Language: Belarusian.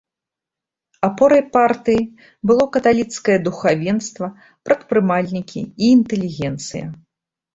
Апорай партыі было каталіцкае духавенства, прадпрымальнікі і інтэлігенцыя.